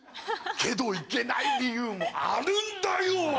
けどいけない理由もあるんだよ！